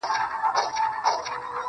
چي مرور نه یم، چي در پُخلا سم تاته.